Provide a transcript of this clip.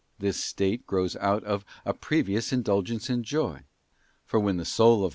This state grows out of a previous indulgence in joy, for when the soul of man is * Wisd.